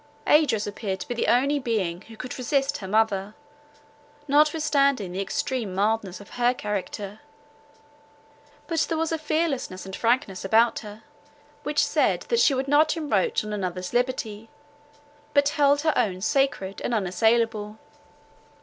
Idris appeared to be the only being who could resist her mother, notwithstanding the extreme mildness of her character. But there was a fearlessness and frankness about her, which said that she would not encroach on another's liberty, but held her own sacred and unassailable.